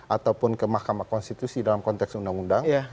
ataupun ke mahkamah konstitusi dalam konteks undang undang